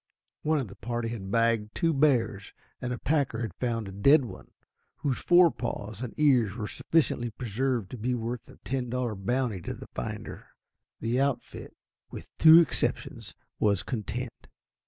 One of the party had bagged two bears, and a packer had found a dead one, whose fore paws and ears were sufficiently preserved to be worth a $10 bounty to the finder. The outfit with two exceptions was content.